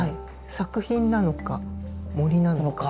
作品なのか森なのか。